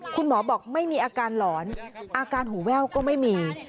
คุณหมอบอกไม่มีอาการหลอนอาการหูแว่วก็ไม่มี